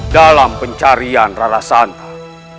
dalam pencarian rara santan